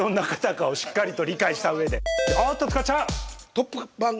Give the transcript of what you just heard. トップバン！